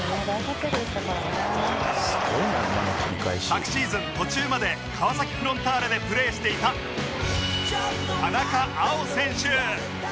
昨シーズン途中まで川崎フロンターレでプレーしていた田中碧選手